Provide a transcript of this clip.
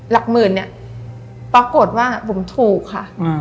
หลักหมื่นเนี่ยปรากฏว่าบุ๋มถูกค่ะ